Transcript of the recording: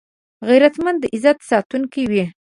غیرتمند د عزت ساتونکی وي